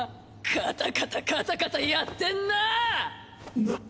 カタカタカタカタやってんなァ！